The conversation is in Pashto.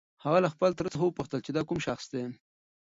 هغه له خپل تره څخه وپوښتل چې دا کوم شخص دی؟